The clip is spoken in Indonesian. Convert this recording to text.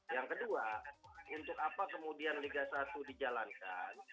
yang kedua untuk apa kemudian liga satu dijalankan